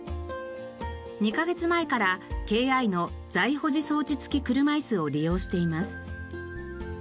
２カ月前からケイアイの座位保持装置付き車いすを利用しています。